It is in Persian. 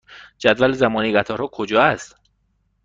جدول زمانی قطارها کجا است؟